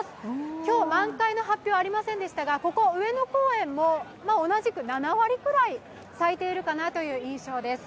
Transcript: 今日満開の発表ありませんでしたが、ここ上野公園も同じく７割くらい咲いているかなという印象です。